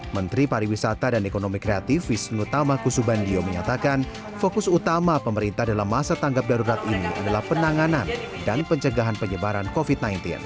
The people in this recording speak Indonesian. menteri pariwisata dan ekonomi kreatif wisnu tama kusubandio menyatakan fokus utama pemerintah dalam masa tanggap darurat ini adalah penanganan dan pencegahan penyebaran covid sembilan belas